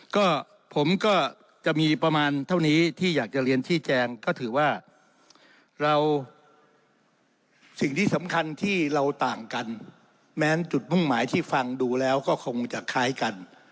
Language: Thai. ก็ผมก็จะมีประมาณเท่านี้ที่อยากจะเรียนชี้แจงก็ถือว่าเราสิ่งที่สำคัญที่เราต่างกันแม้จุดมุ่งหมายที่ฟังดูแล้วก็คงจะคล้ายกัน